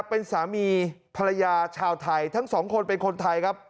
เป็นสามีภรรยาชาวไทยทั้งสองคนเป็นคนไทยครับ